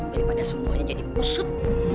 daripada semuanya jadi usut